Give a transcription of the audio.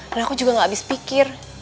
dan aku juga gak habis pikir